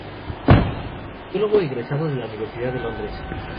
Biólogo egresado de la Universidad de Londres.